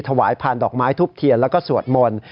ถวายผ่านดอกไม้ทุบเทียนแล้วก็สวดมนต์